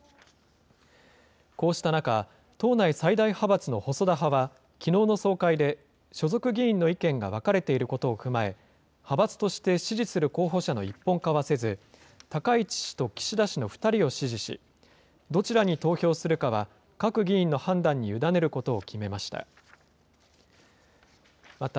こうした中、党内最大派閥の細田派はきのうの総会で、所属議員の意見が分かれていることを踏まえ、派閥として支持する候補者の一本化はせず、高市氏と岸田氏の２人を支持し、どちらに投票するかは各議員の判断に委ねることを決めました。